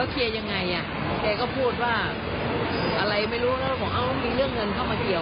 มันก็ไม่ค่อยดีไงแล้วประกอบกับที่ว่ามันจะได้ค่าเหนื่อยอะไรอย่างเงี้ย